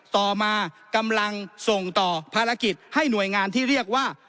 ต่อมากำลังส่งต่อภารกิจให้หน่วยงานที่เรียกว่า